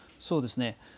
そうですね。